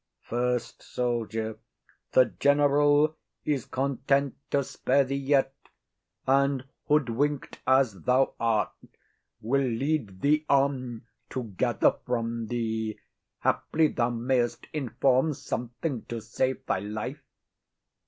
_ FIRST SOLDIER. The General is content to spare thee yet; And, hoodwink'd as thou art, will lead thee on To gather from thee. Haply thou mayst inform Something to save thy life.